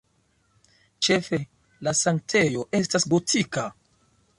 Ĉefe la sanktejo estas gotika.